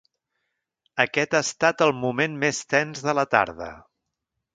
Aquest ha estat el moment més tens de la tarda.